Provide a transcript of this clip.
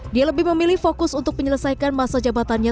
dia lebih memilih fokus untuk menyelesaikan masa jabatannya